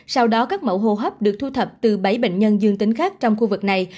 sau đó các mẫu hô hấp được thu thập từ bảy bệnh nhân dương tính khác trong khu vực này